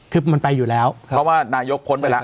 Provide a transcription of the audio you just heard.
คือมันไปอยู่แล้วเพราะว่านายกพ้นไปแล้ว